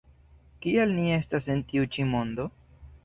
Kial ni estas en tiu ĉi mondo?